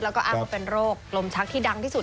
แล้วก็อ้างว่าเป็นโรคลมชักที่ดังที่สุด